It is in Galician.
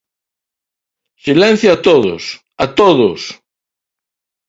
Silencio a todos, ¡a todos!